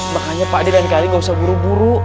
makanya pak de lain kali enggak usah buru buru